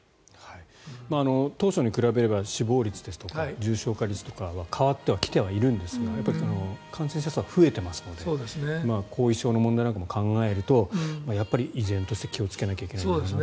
当初に比べれば死亡率ですとか重症化率は変わってはきてはいるんですが感染者数は増えていますので後遺症の問題なんかも考えるとやっぱり依然として気をつけなければいけないなと思いますね。